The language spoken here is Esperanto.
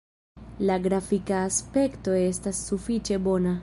La grafika aspekto estas sufiĉe bona.